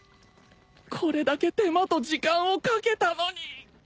これだけ手間と時間をかけたのに